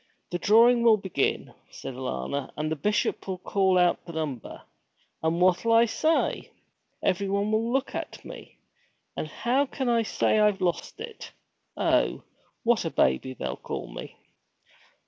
'The drawing will begin,' said Alanna, 'and the Bishop will call out the number! And what'll I say? Everyone will look at me; and how can I say I've lost it! Oh, what a baby they'll call me!'